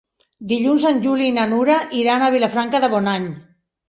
Dilluns en Juli i na Nura iran a Vilafranca de Bonany.